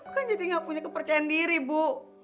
kan jadi gak punya kepercayaan diri bu